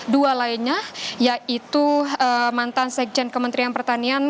dua lainnya yaitu mantan sekjen kementerian pertanian